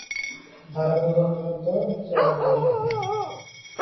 ধারাবি পর্যন্ত চলে বাইয়ের কথায়।